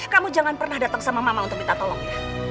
kamu jangan pernah datang sama mama untuk minta tolong